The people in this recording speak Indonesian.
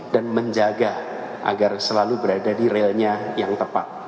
dan menjaga agar selalu berada di realnya yang tepat